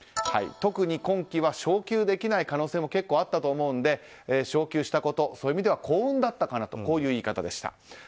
特に今期は昇級できない可能性も結構あったと思うので昇級したことそういう意味では幸運だったかなという言い方でした。